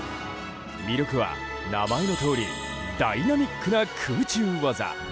魅力は、名前のとおりダイナミックな空中技。